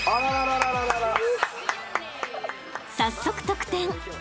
［早速得点］